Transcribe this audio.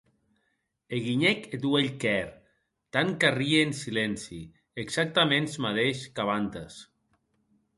E guinhèc eth uelh quèr, tant qu’arrie en silenci, exactaments madeish qu’abantes.